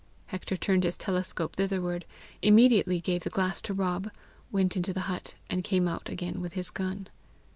Hector turned his telescope thitherward, immediately gave the glass to Rob, went into the hut, and came out again with his gun.